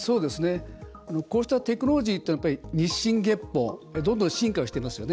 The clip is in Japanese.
こうしたテクノロジーって日進月歩どんどん進化をしてますよね。